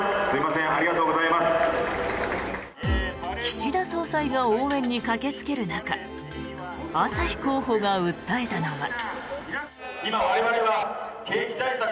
岸田総裁が応援に駆けつける中朝日候補が訴えたのは。